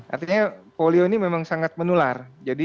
artinya polio ini memang sangat menular